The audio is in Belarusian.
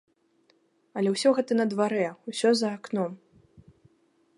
Але ўсё гэта на дварэ, усё за акном.